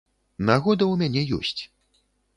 Нагода ў мяне ёсць.